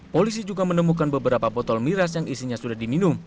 polisi juga menemukan beberapa botol miras yang isinya sudah diminum